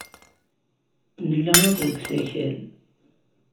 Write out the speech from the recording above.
Nella akk deg usakal.